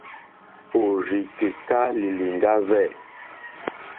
Òrzì kèká lìlìŋɡá hwɛ̂.